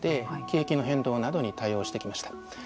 景気の変動などに対応してきました。